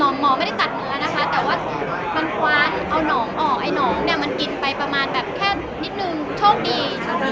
หมอไม่ได้ตัดเนื้อนะคะแต่ว่ามันคว้านเอาหนองออกไอ้หนองเนี่ยมันกินไปประมาณแบบแค่นิดนึงโชคดี